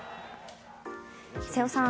瀬尾さん